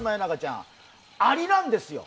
アリなんですよ！